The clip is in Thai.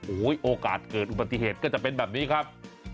โอ้โหโอกาสเกิดอุบัติเหตุก็จะเป็นแบบนี้ครับ